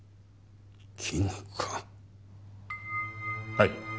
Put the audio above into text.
はい。